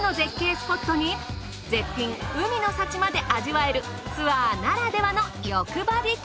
スポットに絶品海の幸まで味わえるツアーならではの欲張り旅。